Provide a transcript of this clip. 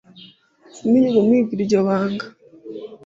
sinigeze niga iryo banga